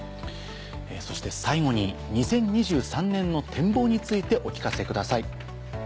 そして最後に２０２３年の展望についてお聞かせください。